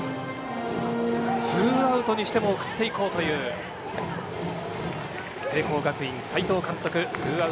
ツーアウトにしても送っていこうという聖光学院、斎藤監督。